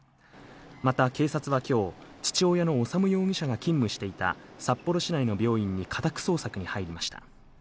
また警察はきょう、父親の修容疑者が勤務していた札幌市内の病院に家宅捜索に入りました。